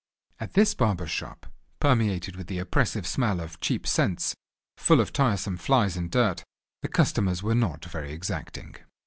At this barber's shop, permeated with the oppressive smell of cheap scents, full of tiresome flies and dirt, the customers were not very exacting.